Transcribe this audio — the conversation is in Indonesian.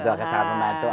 itu akan sangat membantu